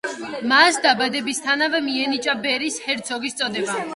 მას დაბადებისთანავე მიენიჭა ბერის ჰერცოგის წოდება.